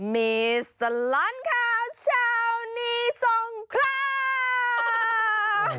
มีสลอนข่าวเช้านี้ส่งคราว